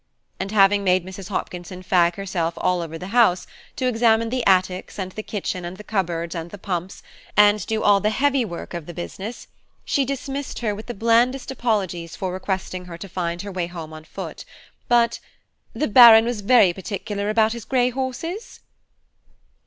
And having made Mrs. Hopkinson fag herself all over the house, to examine the attics, and the kitchen, and the cupboards, and the pumps, and do all the heavy work of the business, she dismissed her with the blandest apologies for requesting her to find her way home on foot, but "the Baron was very particular about his grey horses."